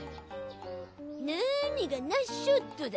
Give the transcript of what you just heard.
何がナイスショットだ。